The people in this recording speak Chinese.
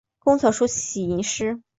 工草书喜吟诗。